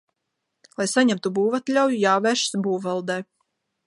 Lai saņemtu būvatļauju, jāvēršas būvvaldē.